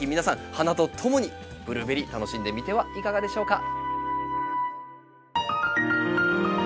花とともにブルーベリー楽しんでみてはいかがでしょうか？